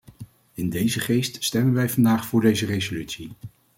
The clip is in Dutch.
In deze geest stemmen wij vandaag voor deze resolutie.